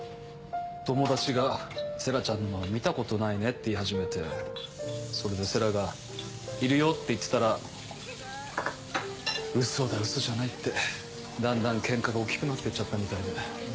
友達が「星来ちゃんのママ見たことないね」って言い始めてそれで星来が「いるよ」って言ってたらウソだウソじゃないってだんだんケンカが大っきくなってちゃったみたいで。